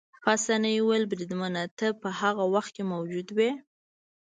پاسیني وویل: بریدمنه، ته په هغه وخت کې موجود وې؟